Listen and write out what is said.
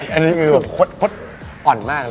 อะไรราบไมดีอ่อนมาก